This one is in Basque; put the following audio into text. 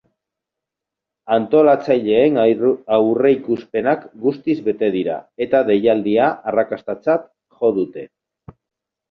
Antolatzaileen aurreikuspenak guztiz bete dira, eta deialdia arrakastatzat jo dute.